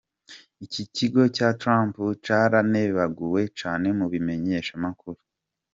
Ikigo ca Trump caranebaguwe cane mu bimenyeshamakuru.